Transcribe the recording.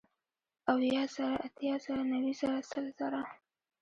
اويه زره ، اتيا زره نوي زره سل زره